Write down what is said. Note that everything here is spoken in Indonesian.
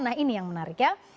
nah ini yang menarik ya